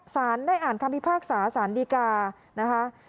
สารได้อ่านคำพิพากษาสารดีกานะคะ